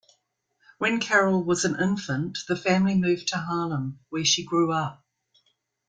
When Carroll was an infant, the family moved to Harlem, where she grew up.